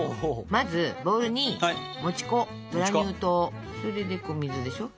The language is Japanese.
まずボウルにもち粉グラニュー糖それでお水でしょ。